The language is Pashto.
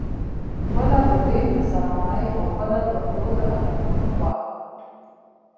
بله د وین د سلماني او بله د غلو د الارمونو وه